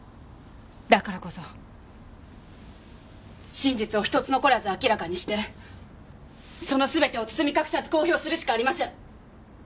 だからこそ真実を一つ残らず明らかにしてその全てを包み隠さず公表するしかありません！